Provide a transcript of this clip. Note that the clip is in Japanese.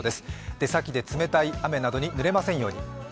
出先で冷たい雨などにぬれませんように。